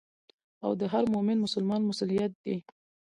او د هر مؤمن مسلمان مسؤليت دي.